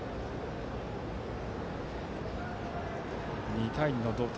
２対２の同点。